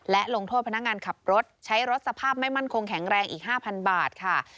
และลงโทษพนักงานขับรถใช้รถสภาพไม่มั่นคงแข็งแรงอีก๕๐๐บาทค่ะ